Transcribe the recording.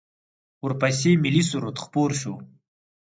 ورپسې ملی سرود خپور شو.